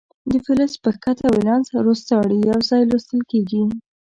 د فلز په ښکته ولانس روستاړي یو ځای لوستل کیږي.